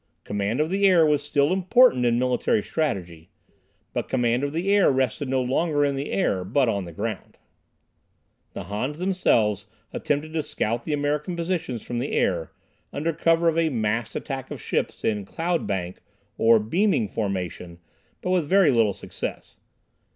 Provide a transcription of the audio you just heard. Command of the air was still important in military strategy, but command of the air rested no longer in the air, but on the ground. The Hans themselves attempted to scout the American positions from the air, under cover of a massed attack of ships in "cloud bank" or beaming formation, but with very little success.